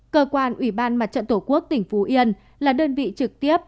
cơ quan ủy ban mặt trận tổ quốc tỉnh phú yên là đơn vị trực tiếp